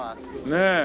ねえ。